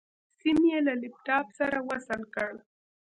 سيم يې له لپټاپ سره وصل کړ.